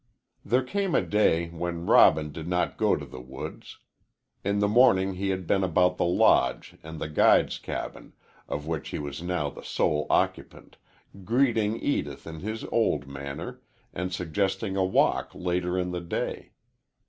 There came a day when Robin did not go to the woods. In the morning he had been about the Lodge and the guides' cabin, of which he was now the sole occupant, greeting Edith in his old manner and suggesting a walk later in the day.